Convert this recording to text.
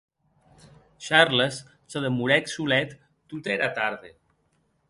Charles se demorèc solet tota era tarde.